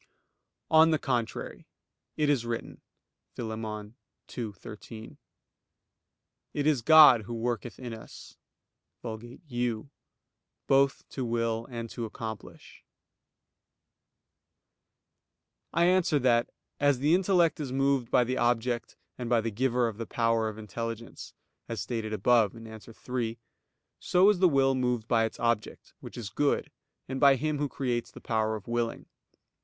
On the contrary, It is written (Phil. 2:13): "It is God who worketh in us [Vulgate 'you'] both to will and to accomplish." I answer that, As the intellect is moved by the object and by the Giver of the power of intelligence, as stated above (A. 3), so is the will moved by its object, which is good, and by Him who creates the power of willing.